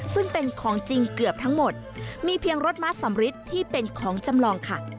ซึ่งเป็นของจริงเกือบทั้งหมดมีเพียงรถมัสสำริดที่เป็นของจำลองค่ะ